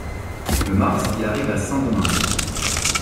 Le mars, il arrive à Saint-Domingue.